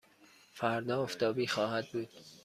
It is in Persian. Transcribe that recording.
فردا آفتابی خواهد بود.